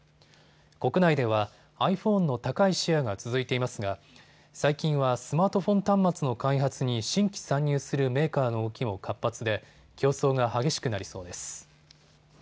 国内ではｉＰｈｏｎｅの高いシェアが続いていますが最近はスマートフォン端末の開発に新規参入するメーカーの動きも活発で競争が激しくなりそうです。